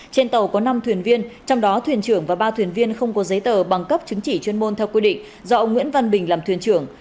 trên tàu có năm thuyền viên trong đó thuyền trưởng và ba thuyền viên không có giấy tờ bằng cấp chứng chỉ chuyên môn theo quy định do ông nguyễn văn bình làm thuyền trưởng